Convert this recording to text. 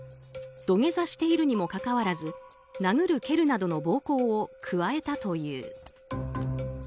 土下座しているにもかかわらず殴る蹴るなどの暴行を加えたという。